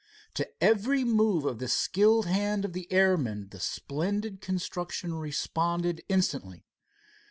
To every move of the skilled hand of the airman the splendid construction responded instantly.